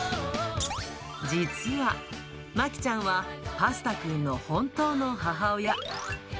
実は、まきちゃんはパスタくんの本当の母親。